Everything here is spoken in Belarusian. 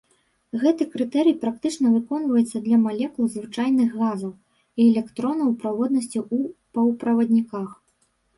Гэты крытэрый практычна выконваецца для малекул звычайных газаў і электронаў праводнасці ў паўправадніках.